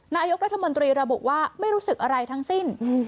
นายกรัฐมนตรีระบุว่าไม่รู้สึกอะไรทั้งสิ้น